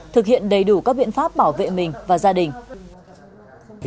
thực hiện đầy đủ các biện pháp bảo vệ mình và gia đình